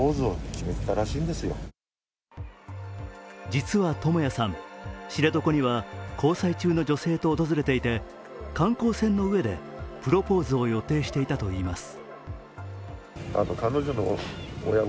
実は智也さん、知床には交際中の女性と訪れていて観光船の上でプロポーズを予定していたといいます。